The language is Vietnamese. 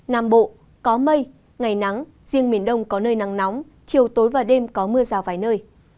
nam bộ có mây ngày nắng riêng miền đông có nơi nắng nóng chiều tối và đêm có mưa rào vài nơi